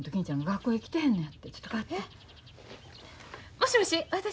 もしもし私。